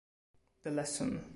The Lesson